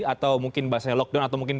atau mungkin bahasanya lockdown